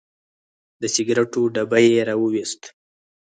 د سګریټو ډبی یې راوویست.